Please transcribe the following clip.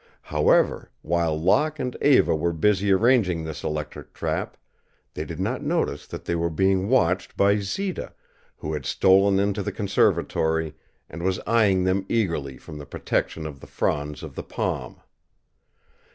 However, while Locke and Eva were busy arranging this electric trap, they did not notice that they were being watched by Zita, who had stolen into the conservatory and was eying them eagerly from the protection of the fronds of a palm.